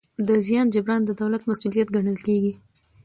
د زیان جبران د دولت مسوولیت ګڼل کېږي.